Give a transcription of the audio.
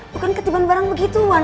bukan ketibaan barang begitu wan